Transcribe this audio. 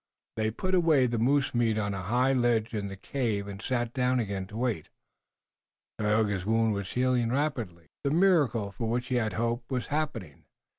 They put away the moose meat on a high ledge in the cave, and sat down again to wait. Tayoga's wound was healing rapidly. The miracle for which he had hoped was happening.